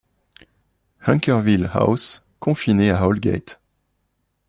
Hunkerville-house confinait à Oldgate.